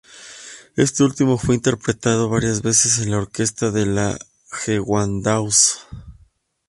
Este último fue interpretado varias veces con la Orquesta de la Gewandhaus.